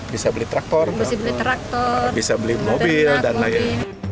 bisa beli traktor bisa beli mobil dan lain